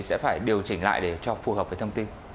sẽ phải điều chỉnh lại để cho phù hợp với thông tin